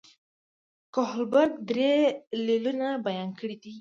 کوهلبرګ درې لیولونه بیان کړي دي.